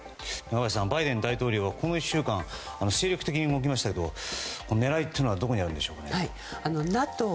中林さんバイデン大統領は、この１週間精力的に動きましたが狙いはどこにあるんでしょうか。